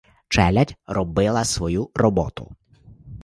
Челядь робила свою роботу.